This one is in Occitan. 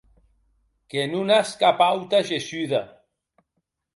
Que non as cap auta gessuda.